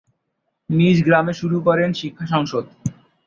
নিজ গ্রামে শুরু করেন শিক্ষা সংসদ।